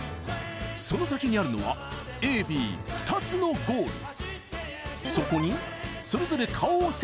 その先にあるのはＡＢ２つのゴール